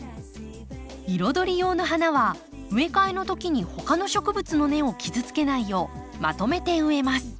彩り用の花は植え替えのときにほかの植物の根を傷つけないようまとめて植えます。